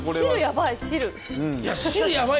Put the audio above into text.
汁、やばい！